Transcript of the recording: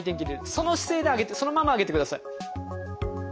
その姿勢で上げてそのまま上げてください。